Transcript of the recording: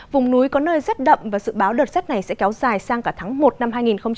vùng núi có nơi rất đậm và dự báo đợt rét này sẽ kéo dài sang cả tháng một năm hai nghìn một mươi bảy